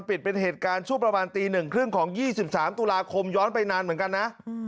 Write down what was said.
ปิดเป็นเหตุการณ์ช่วงประมาณตี๑๓๐ของ๒๓ตุลาคมย้อนไปนานเหมือนกันนะ